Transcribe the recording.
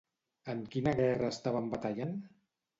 En quina guerra estaven batallant?